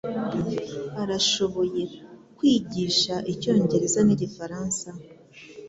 Arashoboye kwigisha icyongereza nigifaransa.